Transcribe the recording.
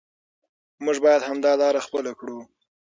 موږ باید همدا لاره خپله کړو.